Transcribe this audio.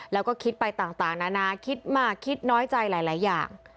แล้วก็คิดไปต่างนานาคิดมากคิดน้อยใจหลายอย่าง